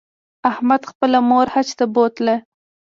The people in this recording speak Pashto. احمد خپله مور حج ته بوتله.